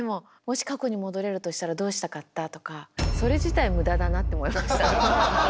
もし過去に戻れるとしたらどうしたかったとかそれ自体無駄だなって思いました。